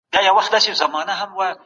خپل سر په صابون ومینځئ.